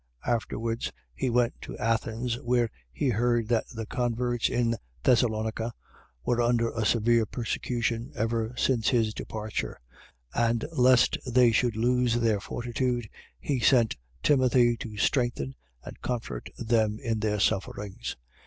Afterwards he went to Athens, where he heard that the converts in Thessalonica were under a severe persecution, ever since his departure; and lest they should lose their fortitude, he sent Timothy to strengthen and comfort them in their sufferings.